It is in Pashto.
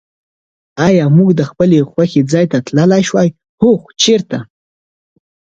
آیا موږ د خپل خوښي ځای ته تللای شوای؟ هو. خو چېرته؟